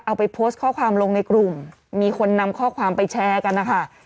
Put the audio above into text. เอาไปโพสต์ข้อความลงในกลุ่มมีคนนำข้อความไปแชร์กันนะคะ